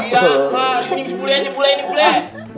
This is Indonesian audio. boleh boleh boleh